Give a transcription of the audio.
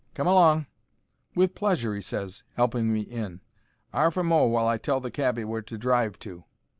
Come along." "With pleasure," he ses, 'elping me in. "'Arf a mo' while I tell the cabby where to drive to."